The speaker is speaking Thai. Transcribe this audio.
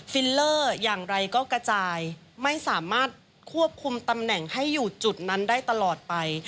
ฟิลเลอร์อย่างไรก็กระจายไม่สามารถควบคุมตำแหน่งให้อยู่จุดนั้นได้ตลอดไป